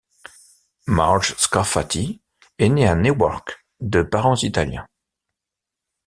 Marge Scafati est née à Newark de parents italiens.